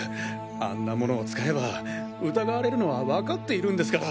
あんなものを使えば疑われるのは分かっているんですから。